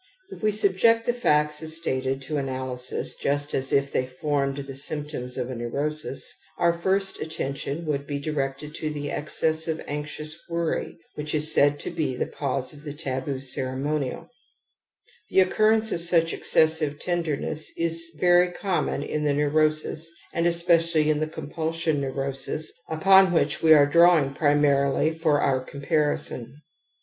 If we subject the facts as stated to analy sis, just as if they formed the symptoms of a neurosis, our first attention would be directed to the excess of anxious worry which is said to be the cause of the f:aboo ceremonial^ The occurrence of such excessive tenderness is veryj common in the neurosis and especially in th compulsion neurosis upon which we are draw ing primarily for^ our comparison.